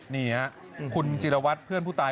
นี่ครับคุณจิรวัตรเพื่อนผู้ตาย